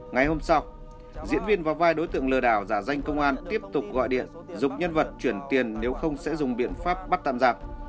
ngày hôm sau diễn viên và vai đối tượng lừa đảo giả danh công an tiếp tục gọi điện dụng nhân vật chuyển tiền nếu không sẽ dùng biện pháp bắt tạm giặc